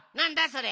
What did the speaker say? それ。